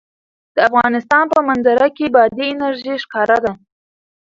د افغانستان په منظره کې بادي انرژي ښکاره ده.